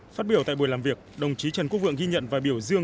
phát biểu tại buổi làm việc đồng chí trần quốc vượng ghi nhận và biểu dương